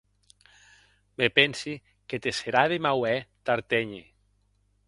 Me pensi que te serà de mau her d’artenher.